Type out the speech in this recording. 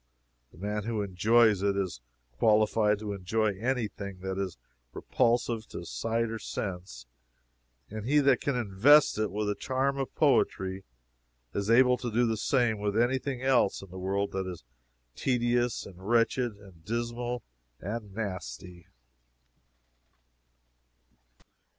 The man who enjoys it is qualified to enjoy any thing that is repulsive to sight or sense, and he that can invest it with a charm of poetry is able to do the same with any thing else in the world that is tedious, and wretched, and dismal, and nasty.